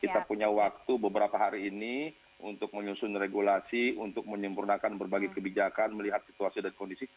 kita punya waktu beberapa hari ini untuk menyusun regulasi untuk menyempurnakan berbagai kebijakan melihat situasi dan kondisi